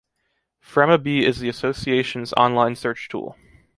Framabee is the association’s online search tool.